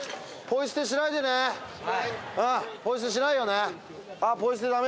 ポイ捨てしないよね。